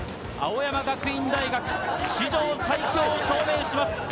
青山学院大学、史上最強を証明します。